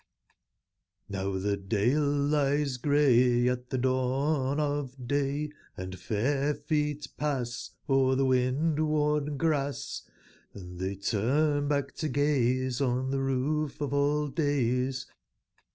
J^Om tbe dale lies grey Ht tbc dawn of day; Hnd fair feet pass O'er tbe wind/worn grass ; Hnd tbey turn back to gaze On tbe roof of old days.